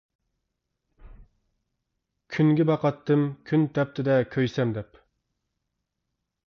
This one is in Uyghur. كۈنگە باقاتتىم، كۈن تەپتىدە كۆيسەم دەپ.